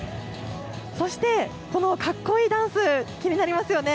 そしてこのかっこいいダンス、気になりますよね。